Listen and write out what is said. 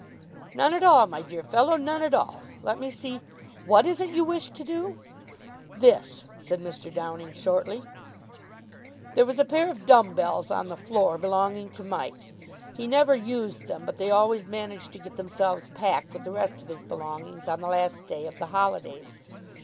None at all, my dear fellow, none at all. Let me see, what is it you wish to do?" "This," said Mr. Downing shortly. There was a pair of dumb bells on the floor, belonging to Mike. He never used them, but they always managed to get themselves packed with the rest of his belongings on the last day of the holidays.